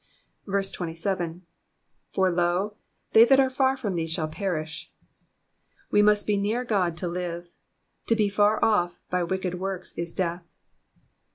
27. ''For, ioy they that are far from thee shall perish.''^ We must be near God to live ; to be far off by wicked works is death.